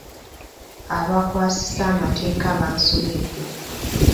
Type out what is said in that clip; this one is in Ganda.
Abakwasisa emateeka bansobedde.